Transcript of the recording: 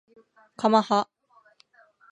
かまは